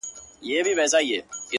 گراني فريادي دي بـېــگـــاه وويل ـ